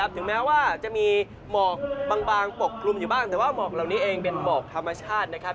แต่ว่าหมอกเหล่านี่เองเป็นหมอกธรรมชาตินะครับ